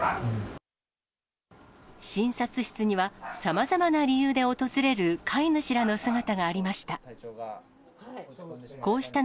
診察室には、さまざまな理由で訪れる飼い主らの姿がありました。